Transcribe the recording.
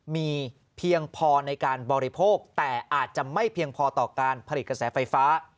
มีเพียงพอในการบริโภคแต่อาจจะไม่เพียงพอต่อการผลิตกระแสไฟฟ้า